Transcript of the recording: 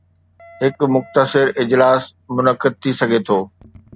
هڪ مختصر اجلاس منعقد ٿي سگهي ٿو